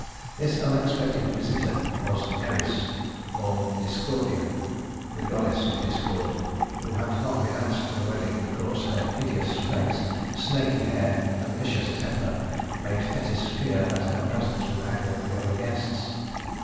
This unexpected visitor was Eris (or Discordia), the goddess of discord, who had not been asked to the wedding because her hideous face, snaky hair, and vicious temper made Thetis fear that her presence would anger the other guests.